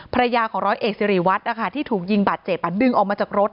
พระยาของร้อยเอกสิริวัตต์อ่ะค่ะที่ถูกยิงบาดเจ็บบาดดึงออกมาจากรถ